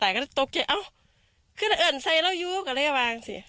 ปากะก็ได็ตกแดวเอ้าขื่นเอ่อนใสรออยู่ก็เลยว่างสิ